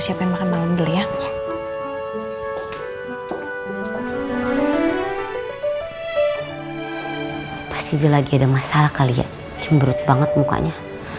siapin makan malam dulu ya pasti lagi ada masalah kali ya cemberut banget mukanya